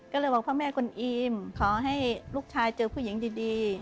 ก็เลยบอกพ่อแม่คุณอีมขอให้ลูกชายเจอผู้หญิงดี